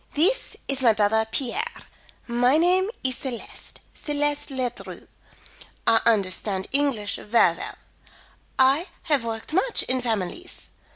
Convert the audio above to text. "This is my brother Pierre. My name is Celeste; Celeste Ledru. I understand English ver well. I have worked much in families.